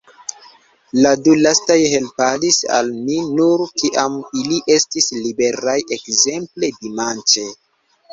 La du lastaj helpadis al ni nur kiam ili estis liberaj, ekzemple dimanĉe.